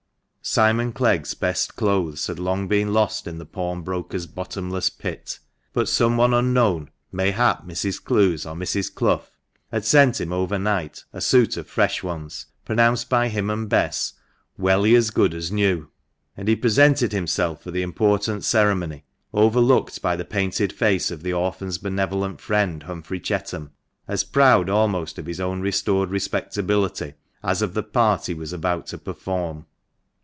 Simon Clegg's best clothes had long been lost in the pawnbroker's bottomless pit ; but some one unknown (mayhap Mrs. Clowes or Mrs. Clough) had sent him overnight a suit of fresh ones, pronounced by him and Bess " welly as good as new ;" and he presented himself for the important ceremony (overlooked by the painted face of the orphan's benevolent friend, Humphrey Chetham) as proud almost of his own restored respectability as of the part he was about to perform.